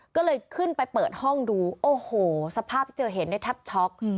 ก็เลยขึ้นไปเปิดห้องดูโอ้โหสภาพที่เธอเห็นเนี่ยแทบช็อก